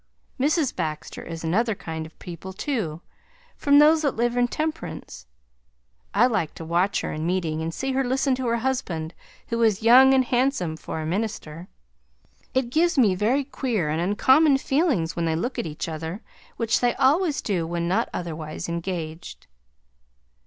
Mrs. Baxter is another kind of people too, from those that live in Temperance. I like to watch her in meeting and see her listen to her husband who is young and handsome for a minister; it gives me very queer and uncommon feelings, when they look at each other, which they always do when not otherwise engaged.